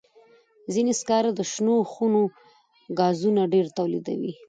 ځینې سکاره د شنو خونو ګازونه ډېر تولیدوي.